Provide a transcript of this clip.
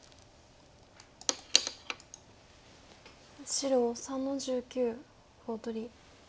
白３の十九コウ取り。